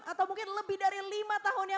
atau mungkin lebih dari lima tahunnya